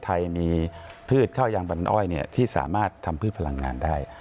ไทยมีพืชข้าวยางบันอ้อยที่สามารถทำพืชพลังงานได้